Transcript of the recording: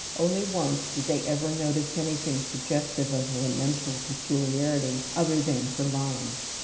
Only once did they ever notice anything suggestive of a mental peculiarity other than her lying.